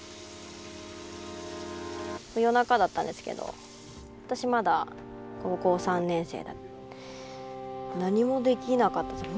夜中だったんですけど私まだ高校３年生で何もできなかったです。